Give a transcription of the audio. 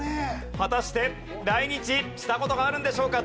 果たして来日した事があるんでしょうか？